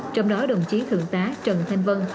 trong đó đồng chí thượng tá trần thanh vân